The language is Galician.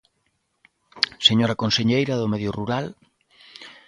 Señora conselleira do Medio Rural.